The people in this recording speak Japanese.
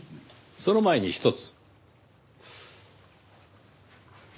その前にひとつ。